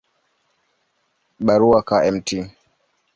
Barua kwa Mt.